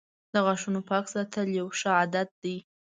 • د غاښونو پاک ساتل یوه ښه عادت دی.